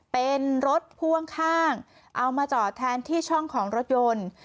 เป็นรถพ่วงข้างเอามาจอดแทนที่ช่องของรถยนต์